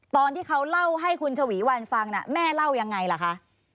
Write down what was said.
ตอนที่เขาเล่าให้คุณชวีวันฟังแม่เล่ายังไงล่ะคะ